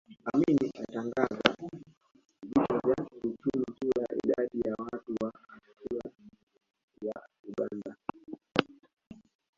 Amin alitangaza vita vya kiuchumi juu ya idadi ya watu wa Asia ya Uganda